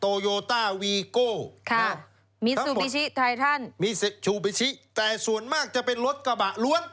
โยต้าวีโก้ค่ะมีซูบิชิไททันมีชูบิชิแต่ส่วนมากจะเป็นรถกระบะล้วน